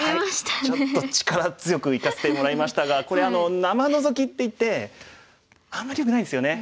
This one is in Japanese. ちょっと力強くいかせてもらいましたがこれ生ノゾキっていってあんまりよくないんですよね。